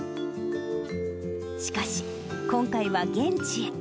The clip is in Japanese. しかし、今回は現地へ。